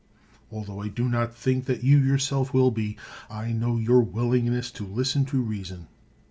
Altho I do not think that you yourself will be, I know your willing ness to listen to reason.